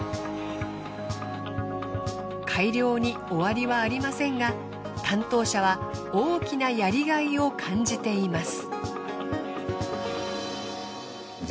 改良に終わりはありませんが担当者は大きなやりがいを感じています。